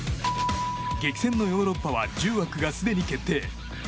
激戦のヨーロッパは１０枠がすでに決定。